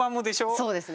そうですね。